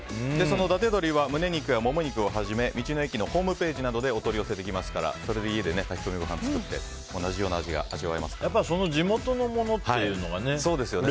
伊達鶏は胸肉やモモ肉をはじめ道の駅のホームページなどでお取り寄せできますからそれで家で炊き込みご飯を作って同じような味が地元のものっていうのがね。